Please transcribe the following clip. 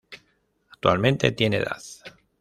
Actualmente tiene de edad.